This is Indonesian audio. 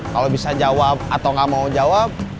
kalau bisa jawab atau nggak mau jawab